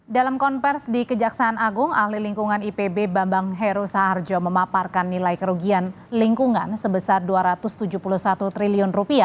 dalam konvers di kejaksaan agung ahli lingkungan ipb bambang heru saharjo memaparkan nilai kerugian lingkungan sebesar rp dua ratus tujuh puluh satu triliun